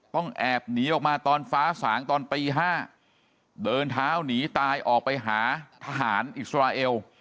แอบหนีออกมาตอนฟ้าสางตอนตี๕เดินเท้าหนีตายออกไปหาทหารอิสราเอล